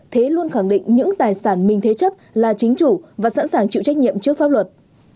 thế luôn khẳng định những tài sản mình thế chấp là chính chủ và sẵn sàng chịu trách nhiệm trước pháp luật